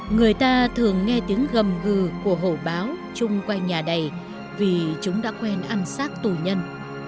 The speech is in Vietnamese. người ta thường nghe tiếng gầm gừ của hổ báo chung quanh nhà đầy vì chúng đã quen ăn xác tù nhân